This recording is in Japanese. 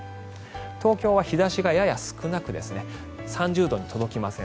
東京は日差しがやや少なく３０度に届きません。